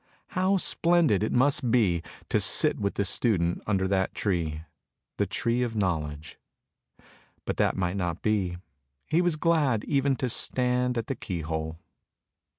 How splendid it must be to sit with the student under that tree, the tree of knowledge, but that might not be — he was glad even to stand at the key hole.